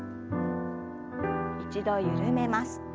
一度緩めます。